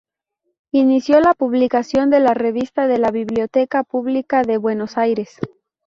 Inició la publicación de la Revista de la Biblioteca Pública de Buenos Aires.